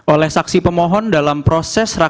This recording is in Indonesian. oleh saksi pemohon dalam proses